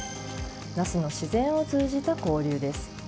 那須の自然を通じた交流です。